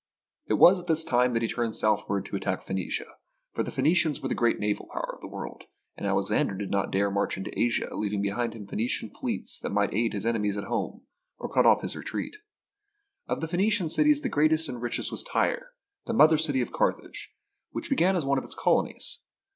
It was at this time that he turned southward to attack Phoenicia, for the Phoenicians were the great naval power of the world, and Alexander did not dare march into Asia leaving behind him Phoeni cian fleets that might aid his enemies at home or cut off his own retreat. Of the Phoenician cities the greatest and richest was Tyre — the mother city of Carthage, which began as one of its colonies.